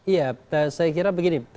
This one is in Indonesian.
iya saya kira begini